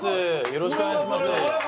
よろしくお願いします